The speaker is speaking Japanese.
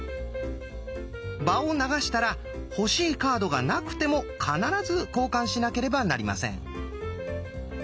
場を流したら欲しいカードがなくても必ず交換しなければなりません。